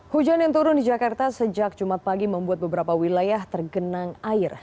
hujan yang turun di jakarta sejak jumat pagi membuat beberapa wilayah tergenang air